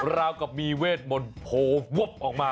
ราวกับมีเวทมนต์โผล่ววบออกมา